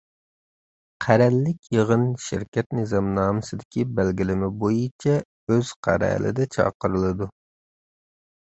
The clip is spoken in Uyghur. قەرەللىك يىغىن شىركەت نىزامنامىسىدىكى بەلگىلىمە بويىچە ئۆز قەرەلىدە چاقىرىلىدۇ.